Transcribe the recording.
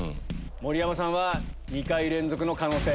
盛山さんは２回連続の可能性。